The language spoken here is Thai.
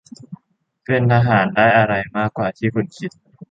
เป็นทหาร ได้อะไร มากกว่าที่คุณคิด